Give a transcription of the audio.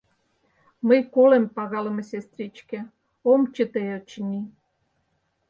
Мый колем, пагалыме сестричке, ом чыте, очыни.